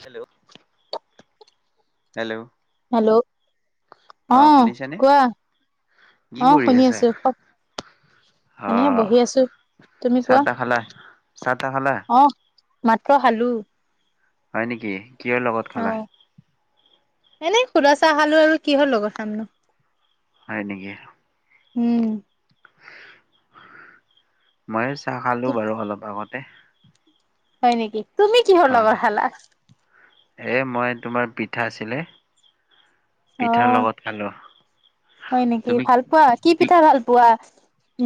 Hello, hello? Hello অ কোৱা কি অ কৰি শুনি আছে আছো অ এনে বহি আছো, তুমি চাহ কোৱা তাহ খালা চাহ তাহ খালা? অ মাত্ৰ খালো। হয় নেকি কিহৰ লগত? অ খালা এনে শুদা চাহ খালো আৰু কিহৰ লগত খাম। হয় নেকি। উম। মইও চাহ খালো বাৰু অলপ আগতে। হয় নেকি, তুমি কিহৰ অ লগত খালা? এ মই তোমাৰ পিঠা আছিলে। পিঠাৰ অ' লগত খালো হয় নেকি, তুমি ভাল পোৱা? কি পি পিঠা ভাল পোৱা?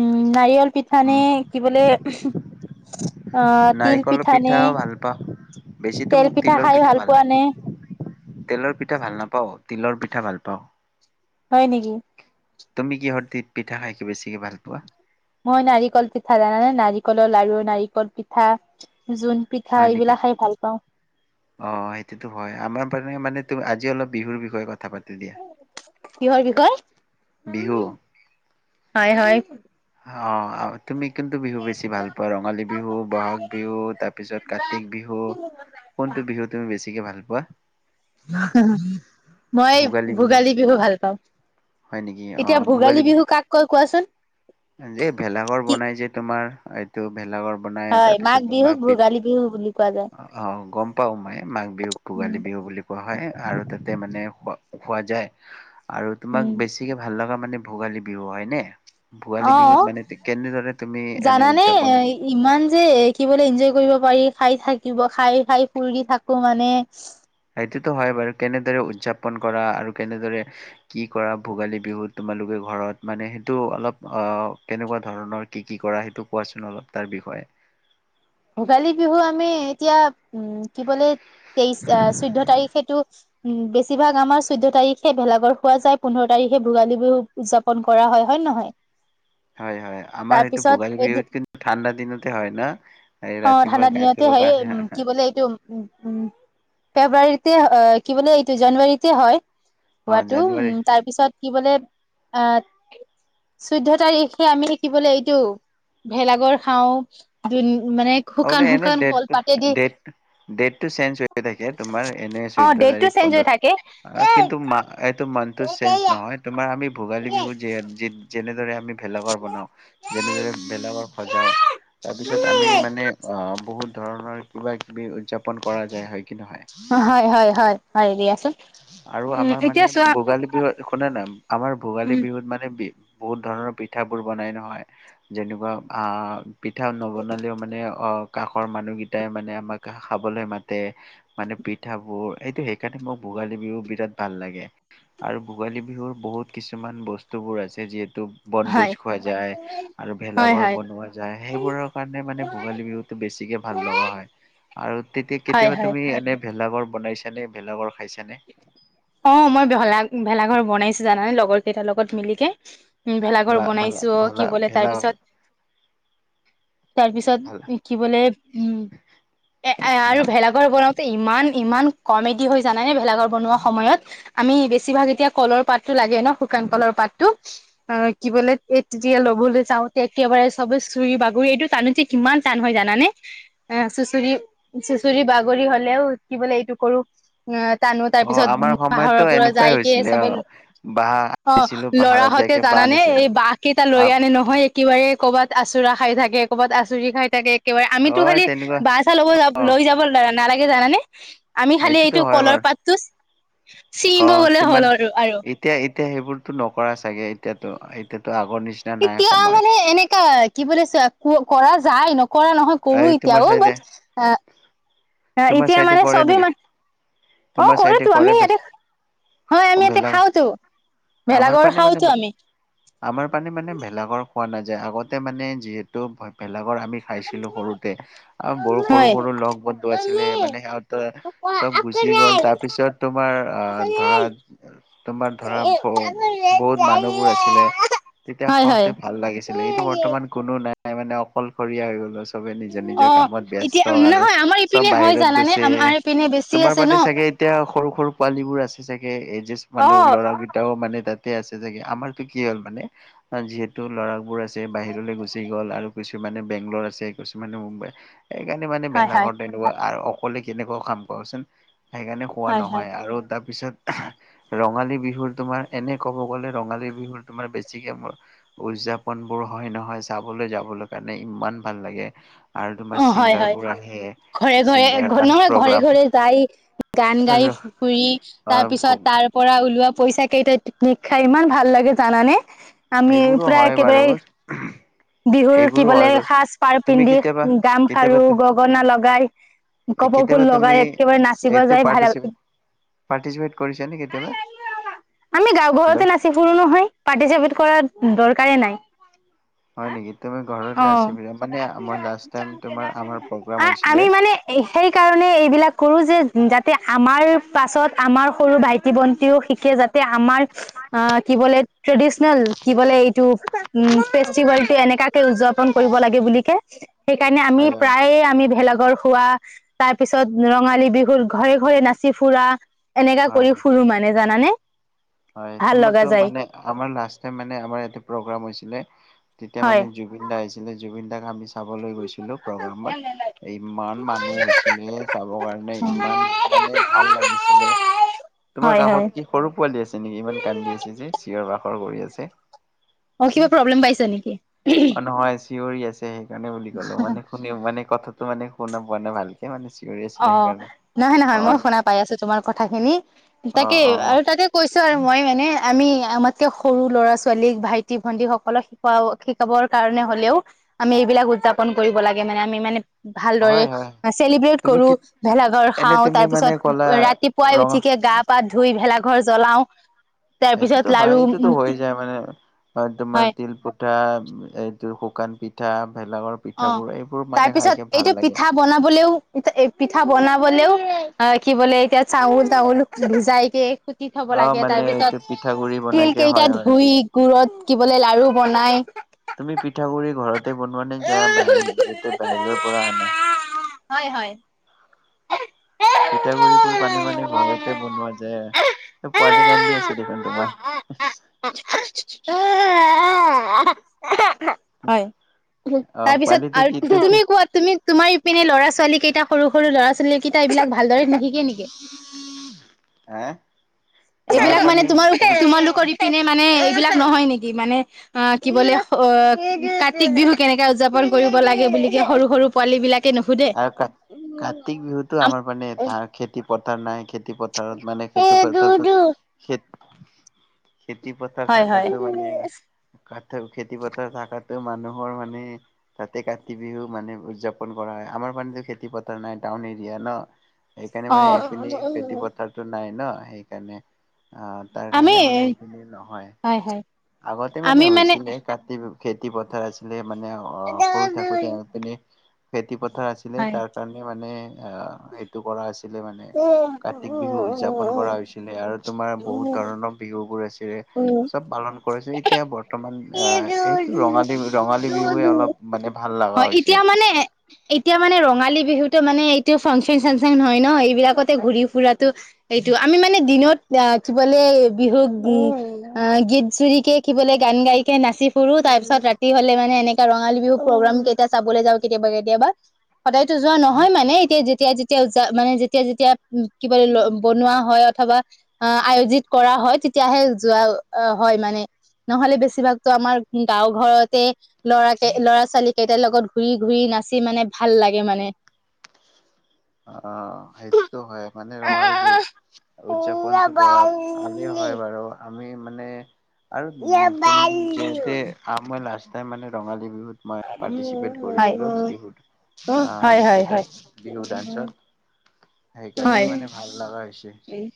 উম নাৰিকল পিঠা নে কি বোলে। অ' তিল নাৰিকলৰ পিঠা নে পিঠাও ভাল পাওঁ বেছিতো তেল মোক পিঠা তিলৰ খাই ভাল পোৱা লাগে নে? তেলৰ পিঠা ভাল নাপাও, তিলৰ পিঠা ভাল পাওঁ। হয় নেকি। তুমি কিহৰ পিঠা খাইকে বেছিকে ভাল পোৱা? মই নাৰিকল পিঠা জানানে নাৰিকলৰ লাৰু, নাৰিকল পিঠা, যোন পিঠা হয় নেকি এইবিলাক খাই ভাল পাওঁ। অ' সেইটোতো হয় আমাৰ মানে মানে আজি অলপ বিহুৰ বিষয়ে কথা পাতো দিয়া। কিহৰ বিহু বিষয়ে, হয় হয়। অ' আ তুমি কোনটো বিহু বেছি ভাল পোৱা, ৰঙালী বিহু, বহাগ বিহু তাৰ পিছত কাতি বিহু? কোনটো বিহু তুমি বেছিকে ভাল পোৱা? মই ভোগালী বিহু ভাল পাওঁ। হয় নেকি অ' ভোগালী বিহু কই কোৱাচোন ভেলাঘৰ কি বনাই যে তোমাৰ, এইটো ভেলাঘৰ। বনাই হয় মাঘ তাৰপিছত তোমাৰ বিহুক পিঠ ভোগালী বিহু বুলি কোৱা যায়। অ' গম পাওঁ মই মাঘ বিহুক ভোগালী উম, বিহু বুলি কোৱা হয় আৰু তাতে মানে খোৱা যায় আৰু তোমাক উম, বেছি গতিকে ভাল লগা মানে ভোগালী বিহু হয়নে? ভোগালী বিহুত অ'। মানে কেনেদৰে তুমি এনে জানানে এ উদযাপন ইমান যে শিকিবলৈ এনজয় কৰিব পাৰি খাই থাকিব খাই খাই ফুৰি থাকিও মানে সেইতো হয় বাৰু কেনেদৰে উদযাপন কৰা আৰু কেনেদৰে কি কৰা ভোগালী বিহুত তোমালোকে ঘৰত মানে সেইটো অলপ অ কেনেকুৱা ধৰণৰ কি কি কৰা সেইটো কোৱাচোন অলপ তাৰ বিষয়ে ভোগালী বিহু আমি এতিয়া উম কি বোলে তেইশ আহ চৈধ্য তাৰিখেটো উম বেছিভাগ আমাৰ চৈধ্য তাৰিখে ভেলাঘৰ খোৱা যায়, পোন্ধৰ তাৰিখে ভোগালী বিহু উদযাপন কৰা হয় নে নহয়? হয় হয়, আমাৰ সেইটোত তাৰপিছত ভোগালী এদিন বিহুত কিন্তু ঠাণ্ডা দিনতে হয় ন। এই অঁ ৰাতিপুৱা ঠাণ্ডা গা দিনতে ধুব হয় কাৰণে উম কি বোলে এইটো উম উম ফেব্ৰুৱাৰীতে কি বুলে এইটো জানুৱাৰীতে হয়। অ' হোৱাটো উম জানুৱাৰী তাৰ পিছত কি বোলে আঁ চৈধ্য তাৰিখে আমি কি বুলে এইটো ভেলাঘৰ খাওঁ। মানে অঁ শুকান এনে শুকান ডেট কলপাতেদি ডেট ডেটটো চেঞ্জ হৈ থাকে তোমাৰ এনে অ চৈধ্য ডেটটো তাৰিখ চেঞ্জ পোন্ধৰ হৈ থাকে কিন্তু মাহটো চেঞ্জ নহয় তোমাৰ আমি ভোগালী বিহুত যি যেনেদৰে আমি ভেলাঘৰ বনাওঁ যেনেদৰে ভেলাঘৰ সজাও তাৰপিছত আমি মানে অঁ বহুত ধৰণৰ কিবা কিবি উদযাপন কৰা যায় হয় কি নহয়। অঁ হয় হয় হয় হয় দিয়াচোন আৰু উম আমাৰ মানে এতিয়া চোৱা ভোগালী বিহুত শুনে না আমাৰ ভোগালী উম বিহুত মানে বি বহুত ধৰণৰ পিঠাবোৰ বনাই নহয় যেনেকুৱা আঁ পিঠা নবনালেও মানে অঁ কাষৰ মানুহকেইটাই মানে আমাক খাবলৈ মাতে, মানে পিঠাবোৰ এইটো সেইকাৰণে মোৰ ভোগালী বিহু বিৰাট ভাল লাগে। আৰু ভোগালী বিহুৰ বহুত কিছুমান বস্তুবোৰ আছে, যিহেতু হয় বনভোজ খোৱা যায়। আৰু হয় ভেলাঘৰ হয় বনোৱা যায়, সেইবোৰৰ কাৰণে মানে ভোগালী বিহুতটো বেছিকে ভাল লগা হয়। আৰু তেতিয়া হয় কেতিয়াবা হয় তুমি এনে ভেলাঘৰ বনাইছানে, ভেলাঘৰ খাইছানে? অঁ মই ভেলা ভেলাঘৰ বনাইছো জানানে লগৰ কেইটাৰ লগত মিলিকে। উম ভেলাঘৰ ভেলা ভেলা বনাইছো ভেলা কি বোলে ভেলা তাইৰ পিছত তাৰ ভালা পিছত কি বোলে উম এ আৰু ভা ভেলা এবাৰ বনাওঁতে ইমান ইমান কমেডি হৈ যা মানে ভেলাৰ বনোৱা সময়ত আমি বেছিভাগ এতিয়া কলৰ পাতটো লাগে ন শুকান কলৰ পাতটো। অঁ কি বোলে এই তেতিয়া লবলৈ যাওঁ তেতিয়া একেবাৰে চবে চু চুৰি বাগৰি এইটো টানিতে কিমান টান হয় জানানে? এ চুচৰি চুচৰি বাগৰি হ'লেও কি বোলে এইটো কৰো, অঁ টানো তাৰ অ পিছত আমাৰ সময়তো পাহৰৰ পৰা এনেকুৱাই যাইকে হৈছিলে অ চবে বাঁহ অঁ আনিছিলো পাহাৰত ল'ৰাহঁতে যাইকে বাঁহ জানানে আনিছিলো এই বাঁহ কেইটা লৈ আনে নহয়। কিবা এ ক'ৰবাত আচুৰা খাই থাকে, কৰ'বাত আচৰি খাই থাকে একেবাৰে অ আমিতো খালি তেনেকুৱা বাট চ্ছা লব অ লৈ যাব নালাগে জানে আমি খালি সেইটোতো এইটো হয় বাৰু তাতটো অ ছিঙিব গলে হ'ল তিমান আৰু আৰু এতিয়া এতিয়া সেইবোৰতো নকৰা চাগে, এতিয়াতো এতিয়াতো আগৰ নিচি এতিয়া মানে এনেকা কি বুলিছ ক কৰা যায় নকৰা নহয়। এই কৰো তোমাৰ এতিয়াও চাইডে বাট তোমাৰ এতিয়া চাইডে মানে কৰে চবে নেকি মান অঁ তোমাৰ চাইডে কৰোতো কৰে আমি ভে ইয়াতে হয়, আমি ইয়াতে ভেলা খাওতো আমাৰ ভেলাঘৰ পানে মানে খাওতো আমি। আমাৰ পানে মানে ভেলাগৰ খোৱা নাযায়, আগতে মানে যিহেতু ভেলাগৰ আমি খাই ছিলো সৰুতে আৰু বহু সৰু হয় সৰু লগ বন্ধু আছিলে মানে সিহঁতৰ চব গুচি গ'ল, তাৰপিছত তোমাৰ আঁহ ধৰা তোমাৰ ধৰা হ, বহুত মানুহবোৰ আছিলে তেতিয়া হয় খাওঁতে হয় ভাল লাগিছিলে কিন্তু বৰ্তমান কোনো নাই মানে অকলশৰীয়া হৈ গ'ল আ চবে নিজৰ অ নিজৰ কামত এতিয়া ব্যস্ত আৰু নহয় আমাৰ চব ইপিনে হয় বাহিৰত জানানে গৈছে। আমাৰ ইপিনে বেছি তোমাৰ আছে ন বাদে চাগে এতিয়া সৰু সৰু পোৱালীবোৰ আছে চাগে এজ অ মানুহ ল'ৰা [unintelligible] তেওঁ মানে তাতে আছে চাগে। আমাৰটো কি হ'ল মানে যিহেতু ল'ৰাবোৰ আছে বাহিৰলৈ গুচি গ'ল আৰু কিছুমানে বেংলৰ আছে। কিছুমানে মুম্বাই, সেইকাৰণে মানে হয় হয় বেলাঘৰ তেনেকুৱা আৰু অকলে কেনেকুৱা কাম কৰচোন। সেইকাৰণে খোৱা হয় হয় নহয় আৰু তাৰপিছত ৰঙালী বিহু তোমাৰ এনে ক'ব গ'লে ৰঙালী বিহুৰ তোমাৰ বেছিকে মোৰ উদযাপনবোৰ হয় নহয় চাবলৈ যাবলৈ কাৰণে ইমান ভাল লাগে। আৰু অ তোমাৰ হয় হয় ছিংগাৰবোৰ আহে। ঘৰে ঘৰে ছিংগাৰ আৰু নহয় ঘৰে প্ৰগ্ৰাম ঘৰে যায় গান গাই ফুৰি তাৰপিছত তাৰ পৰা ওলোৱা পইচা কেইটাক পিকনিক খাই ইমান ভাল লাগে জানানে? আমি সেইবোৰো প্ৰায় হয় বাৰু একেবাৰে বিহুৰ কি সেইবোৰো বোলে হয় বাৰু সাজ পাৰ তুমি পিন্ধি কেতিয়াবা গামখাৰু কেতিয়াবা গগনা লগাই কপৰবোৰ কেতিয়াবা তুমি লগাই একেবাৰে নাচিব যায় ভাল [unintelligible] পাৰ্টচিপেট কৰিছানে কেতিয়াবা? আমি গাঁও হেল্ল' ঘৰতে নাচি ফুৰো নহয়, পাৰ্টিচিপেট কৰাৰ দৰকাৰে নাই। হয় নেকি, তুমি ঘৰতে অ নাচি মানে আমাৰ লাষ্ট টাইম তোমাৰ আমাৰ প্ৰগ্ৰাম আমি হৈছিলে মানে সেইকাৰণে এইবিলাক কৰোঁ যে যাতে আমাৰ পাছত আমাৰ সৰু ভাইটি ভণ্টিও শিকে যাত তে আমাৰ আ, কি বোলে ট্ৰেডিচনেল কি বলে এইটো উ, ফেষ্টিভেলটো এনেকা উদযাপন কৰিব লাগে বুলিকে সেইকাৰণে আমি হয় হয় প্ৰায়ে আমি ভেলাঘৰ খোৱা তাৰপিছত ৰঙালী বিহুত ঘৰে ঘৰে নাচি ফুৰা এনেকা হয় কৰি ফুৰো মানে জানানে। হয়, ভাল লগা তোমাৰটো যায় মানে আমাৰ লাষ্ট টাইম মানে আমাৰ ইয়াতে প্ৰগ্ৰাম হৈছিলে তেতিয়া হয় মানে জো জুবিন দা আহিছিলে জুবিন দাক আমি চাবলৈ গৈছিলোঁ প্ৰগ্ৰামত। ইমান মানুহ হৈছিলে চাবৰ কাৰণে, ইমান মানে ভাল লাগিছিলে। তোমাৰ হয় হয় কাষত কি সৰু পোৱালি আছে নেকি? ইমান কান্দি আছে যে, চিঞৰ বাখৰ কৰি আছে। অ' কিবা প্ৰব্লেম পাইছে নেকি? অ নহয় চিঞৰি আছে সেইকাৰণে বুলি ক'লো, মানে শুনি মানে কথাটো মানে শুনা পোৱা নাই ভাল কে মানে চিঞৰি আছিলে অ' সেইকাৰণে নহয় অ নহয় মই শুনা পাই আছোঁ তোমাৰ কথাখিনি। অ তাকে অ আৰু তাকে কৈছোঁ আৰু মই মানে আমি আমাতকে সৰু ল'ৰা ছোৱালীক, ভাইটি ভন্টি সকলক খোৱাও শিকাবৰ কাৰণে হ'লেও আমি এইবিলাক উদযাপন কৰিব লাগে মানে আমি মানে ভালদৰে হয় হয় চেলিব্ৰেট তুমি কৰোঁ, কি ভেলাঘৰ এনে খাওঁ তুমি মানে ক'লা তাৰপিছত ৰাতিপুৱাই ৰঙা উঠিকে গা পা ধুই ভেলাঘৰ জ্বলাও। তাৰ পিছত এইটোতো লাৰু হয়, এইটোতো হৈ যায় মানে হয় তোমাৰ তিল পুঠা, এইটো শুকান পিঠা ভেলাঘৰ অ পিঠাবোৰ এইবোৰ তাৰ মানে পিছত খাইকে এইটো ভাল লাগে। পিঠা বনাবলেও ইতা পিঠা বনাবলেও আ, কি বোলে এতিয়া চাউল তাউল ভিজাইকে দি থ'ব অ লাগে মানে তাৰপিছত এইটো পিঠাগুৰি বনাইকে তিলকেইটা হয় হয় ধুই গুুৰত কি বোলে লাৰু বনাই। তুমি পিঠাগুড়ি ঘৰতে বনোৱা নে যা, বা যিটো বাহিৰৰ পৰা আনা। হয় হয়। পিঠাগুৰিবোৰ বানী বানী ঘৰতে বনোৱা যায়। এ পোৱালি কান্দি আছে দেখোন তোমাৰ। আ আ আ, হয়, অ তাৰপিছত পোৱালিটো কি আৰু তুমি কোৱা, তুমি- তোমাৰ ইপিনে ল'ৰা ছোৱালী কেইটা সৰু সৰু ল'ৰা ছোৱালী কেইটা এইবিলাক ভালদৰে নিহি- হেঁ' এইবিলাক মানে তোমাৰ তোমালোকৰ ইপিনে মানে এইবিলাক নহয় নেকি? মানে- অঁ কি বোলে অ কাতি বিহু কেনেকে উদযাপন কৰিব লাগে বুলি কে সৰু সৰু- পোৱালী বিলাকে নুসোধে। কাতিক বিহুতো আমাৰ মানে ধান খেতি পথাৰ নাই খেতি পথাৰত মানে খেতি পথাৰটো খেত- খেতি পথাৰ হয় হয় থাকাটো মানে- কাতল খেতি পথাৰ থকাতোৱে মানুহৰ মানে- তাতে কাতি বিহু মানে উদযাপন কৰা হয়। আমাৰ মানে খেতি পথাৰ নাই টাউন এৰিয়া ন' সেইকাৰণে অ মানে এইপিনে খেতি পথাৰ- টো নাই ন সেইকাৰণে, অঁ তাৰ আমি কাৰণে মানে এইখিনি নহয়। হয় হয়। আগতে মানে হৈছিলে কাতি বিয়ো খেতি পথাৰ আছিলে মানে- অঁ' সৰু থাকোতে এপিনে খেতি পথাৰ আছিলে হয় তাৰ কাৰণ- এ মানে অঁ সেইটো কৰা আছিল- লে মানে, কাতি বিহু উদযাপন কৰা হৈছিলে আৰু তোমাৰ বহুত ধৰণৰ- বিহুবোৰ আছিলে। উম' চব পালন কৰিছে। এতিয়া বৰ- ৰ্তমান এ এইটো ৰঙালী বিহু ৰঙালী বিহুৱে অলপ মানে ভাল লগা হয় হৈছে। এতিয়া মানে এতিয়া মানে ৰঙালী বিহুটো মানে এইটো ফাংচন চাংচন হয় ন' এইবিলাকতে ঘূৰি ফুৰাটো- এইটো আমি মানে দিনত আহ কি বোলে বিহুক উম- অঁ' গীত জুৰি কে কি বলে গান গাই- কে নাচি ফুৰো। তাৰ পিছত ৰাতি হলে মানে এনেকা ৰঙালী বিহু প্ৰগ্ৰাম কেইটা চাবলে যাওঁ কেতিয়াবা কেতিয়াবা। সদায়তো যোৱা নহয় মানে, এতিয়া যেতিয়া যেতিয়া যা মানে যেতিয়া যেতিয়া উম কি বুলে ল- বনোৱা হয় অথবা আয়োজিত কৰা হয় তেতিয়াহে যোৱা অ হয় মানে। নহলে বেছিভাগতো আমাৰ গাঁও ঘৰতে- লৰাকে ল'ৰা ছোৱালী কেইটাৰ লগত ঘূৰি ঘূৰি নাচি মানে ভাল লাগে মানে। অঁ' সেইটোতো হয় মানে ৰঙালী বিহুত- উদযাপনটো কৰা ভালে হয় বাৰু। আমি মানে আৰু তুমি যেতেঁ- আৰু মই লাষ্ট টাইম মানে ৰঙালী বিহুত- মই পাৰ্টিচিপেট হয় কৰিছিলো বিহুত। হয় অঁ' হয় এটা হয় বিহু ডান্স- সেইকাৰণে মানে ভাল লাগা হৈছে। উম'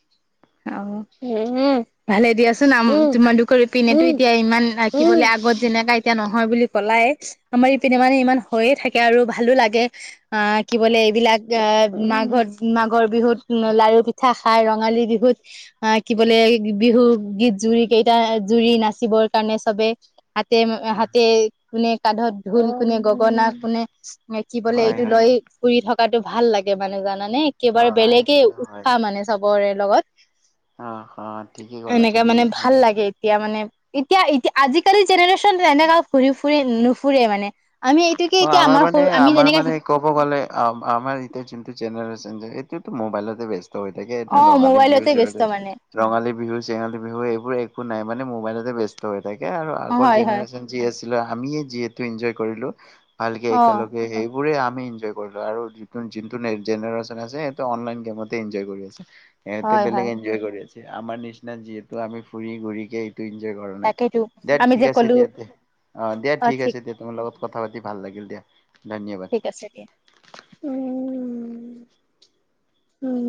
অঁ' ভালে দিয়াচোন আম তোমালোকৰ ইপিনেটো এতিয়া ইমান- থাকিবলে আগত যেনেকাই- এতিয়া নহয় বুলি কলাই, আমাৰ ইপিনে মানে ইমান হৈয়ে থাকে আৰু ভালো লাগে- অঁ' কি বোলে এইবিলাক এহ মাঘত মাঘৰ বিহুত লাৰু পিঠ- ঠা খাই ৰঙালী বিহুত- আঁহ কি বোলে বিহু গীত জুৰি কেইটা জুৰি নাচিবৰ কাৰণে চবে- হাতে হাতে কোনে? কান্ধত ঢোল কোনে? গগনা কোনে? ম কি বলে হয় এইটো হয় লৈ ফুৰি থকাটো ভাল লাগে মানে জানানে? অ একেবাৰে বেলেগে সেইটোতো হয় উৎসাহ মানে চবৰে লগত অ অ ঠিকেই ক'লা এনেকে তুমি মানে ভাল আমি লাগে। এতিয়া মানে এতিয়া এতিয়া আজিকালি জেনেৰেশ্যন তেনেকা ঘুৰি ফুৰি নুফুৰে মানে আমি এইটোকে অ এতিয়া আমাৰ মানে সৰু আমি আমাৰ যেনেকা মানে সিক ক'ব গ'লে আমাৰ এতিয়া যোনটো জেনেৰেশ্চন যে এইটোতো মোবাইলতে ব্যস্ত স্ত হৈ থাকে। এতিয়া অ ৰঙালী বিহু মোবাইলতে চিহু ব্যস্ত লে মানে ৰঙালী বিহু চেঙালী বিহু এইবোৰ একো নাই মানে মোবাইলতে ব্যস্ত হৈ থাকে আৰু আগৰ হয় হয় জেনেৰেশ্যন যি আছিলো। আমিয়ে যিহেতু এনজয় কৰিলো ভালকে অ একেলগে সেই বোৰে আমি এনজয় কৰিলো আৰু যিটো যোনটো জেনেৰেচন আছে। সেইটো অনলাইন গেমতে এনজয় কৰি আছে। সিহঁতে হয় বেলেগ হয় এনজয় কৰি আছে। আমাৰ নিচিনা যিহেতু আমি ফুৰি ঘুৰি কে টো এনজয় কৰা নাই। তাকেইতো দিয়া আমি ঠিক যে আছে। কলো দিয়া অ, দিয়া ঠিক আছে। দিয়া তোমাৰ লগত কথা পাতি ভাল লাগিল দিয়া ধন্যবা সচাকে উম, উম,